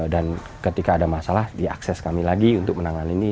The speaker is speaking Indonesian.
dan ketika ada masalah dia akses kami lagi untuk menangani ini